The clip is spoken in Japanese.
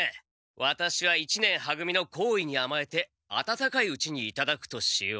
ワタシは一年は組の好意にあまえて温かいうちにいただくとしよう。